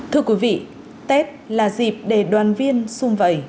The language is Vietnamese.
thưa quý vị tết là dịp để đoàn viên sung vẩy